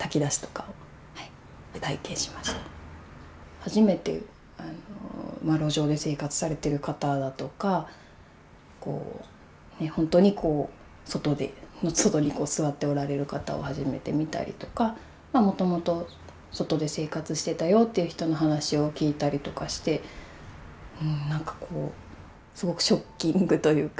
初めて路上で生活されてる方だとかこうほんとにこう外に座っておられる方を初めて見たりとかもともと外で生活してたよっていう人の話を聞いたりとかしてなんかこうすごくショッキングというか。